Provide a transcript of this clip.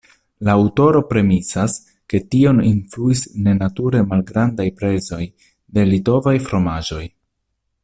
La aŭtoro premisas, ke tion influis nenature malgrandaj prezoj de litovaj fromaĝoj.